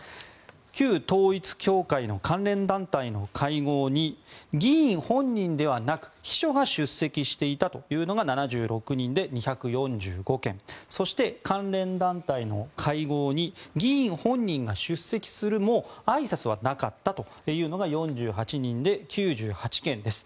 旧統一教会の関連団体の会合に議員本人ではなく秘書が出席していたというのが７６人で２４５件そして、関連団体の会合に議員本人が出席するもあいさつはなかったというのが４８人で９８件です。